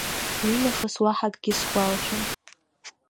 Уи нахыс уаҳа акгьы сгәалашәом.